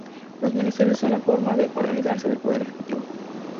Los ministerios son la forma de organizarse del poder ejecutivo.